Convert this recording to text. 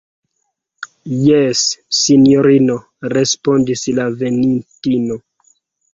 Jes, sinjorino, respondis la venintino.